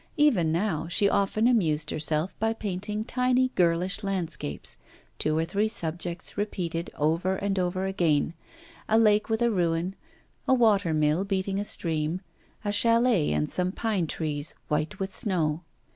Even now she often amused herself by painting tiny girlish landscapes, two or three subjects repeated over and over again a lake with a ruin, a water mill beating a stream, a chalet and some pine trees, white with snow.